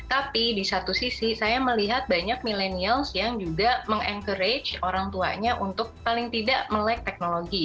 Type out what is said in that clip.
tapi di satu sisi saya melihat banyak milenials yang juga meng encourage orang tuanya untuk paling tidak melek teknologi